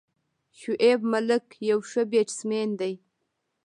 شعیب ملک یو ښه بیټسمېن دئ.